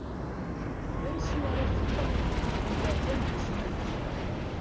Ulansi ara tekkeḍ, iberdan gezmen.